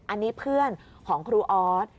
อันนี้เพื่อนของครูออส